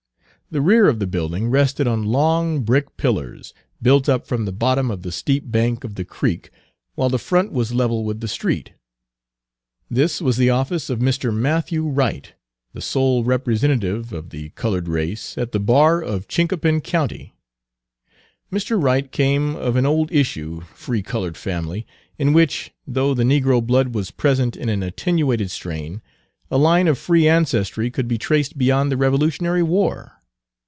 The rear of the building rested on long brick pillars, built up from the bottom of the steep bank of the creek, while the front was level with the street. This was the office of Mr. Matthew Wright, the sole representative of the colored race at the bar of Chinquapin County. Mr. Wright came of an "old issue" free colored family, in which, though the negro blood was present in an attenuated strain, a line of free ancestry could be traced beyond the Revolutionary War.